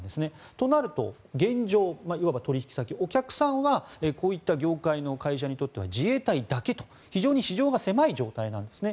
となると、現状いわば取引先お客さんはこういった業界の会社にとっては自衛隊だけと、非常に市場が狭い状態なんですね。